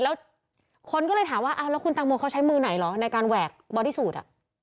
แล้วคนก็เลยถามว่าเอาแล้วคุณตังโมเขาใช้มือไหนเหรอในการแหวกบอดี้สูตร